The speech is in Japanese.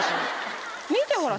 見てほら。